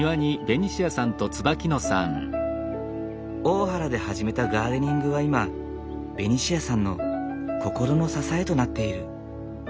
大原で始めたガーデニングは今ベニシアさんの心の支えとなっている。